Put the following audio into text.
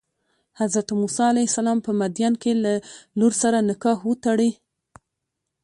حضرت موسی علیه السلام په مدین کې له لور سره نکاح وتړي.